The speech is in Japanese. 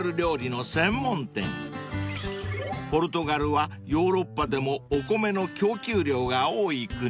［ポルトガルはヨーロッパでもお米の供給量が多い国］